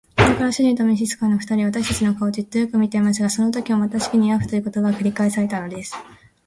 それから主人と召使の二人は、私たちの顔をじっとよく見くらべていましたが、そのときもまたしきりに「ヤーフ」という言葉が繰り返されたのです。